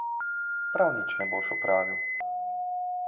Prav nič ne boš opravil!